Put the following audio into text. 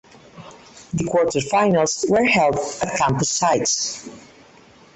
The quarterfinals were held at campus sites.